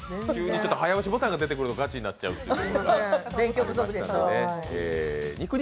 早押しボタンが出てくると、ガチになっちゃうという。